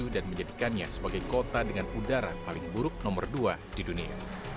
dan menjadikannya sebagai kota dengan udara paling buruk nomor dua di dunia